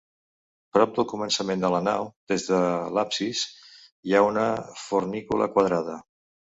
Prop del començament de la nau, des de l'absis, hi ha una fornícula quadrada.